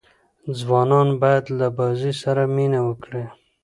ځوانان باید له بازۍ سره مینه وکړي.